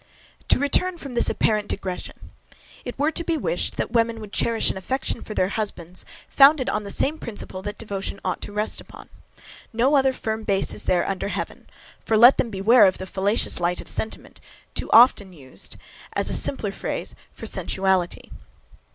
To return from this apparent digression. It were to be wished, that women would cherish an affection for their husbands, founded on the same principle that devotion ought to rest upon. No other firm base is there under heaven, for let them beware of the fallacious light of sentiment; too often used as a softer phrase for sensuality.